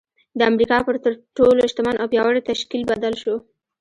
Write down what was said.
د امريکا پر تر ټولو شتمن او پياوړي تشکيل بدل شو.